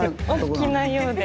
お好きなようで。